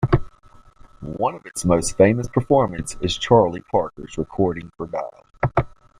One of its most famous performances is Charlie Parker's recording for Dial.